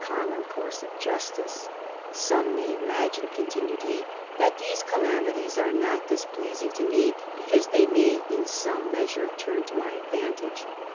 263 common course of justice/ ^ Some may imagine, continued he, * that these calamities are not displeas ing to me because they may in some measure turn to my advantage.